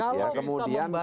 kalau bisa membayar untang